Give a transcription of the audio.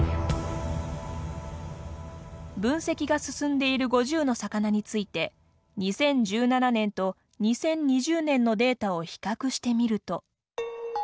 分析が進んでいる５０の魚について２０１７年と２０２０年のデータを比較してみると。